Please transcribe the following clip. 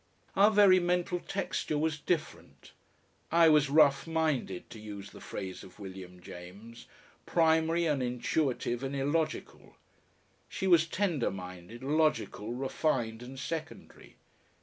Our very mental texture was different. I was rough minded, to use the phrase of William James, primary and intuitive and illogical; she was tender minded, logical, refined and secondary.